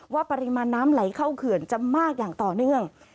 ปริมาณน้ำไหลเข้าเขื่อนจะมากอย่างต่อเนื่อง